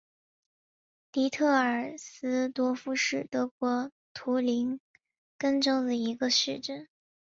迪特尔斯多夫是德国图林根州的一个市镇。